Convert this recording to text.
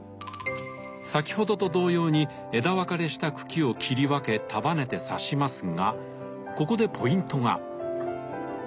先ほどと同様に枝分かれした茎を切り分け束ねて挿しますがここでポイントが。